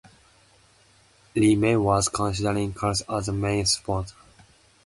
Leah May was considering Carlsberg as the main sponsor.